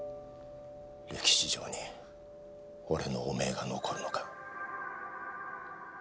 歴史上に俺の汚名が残るのか。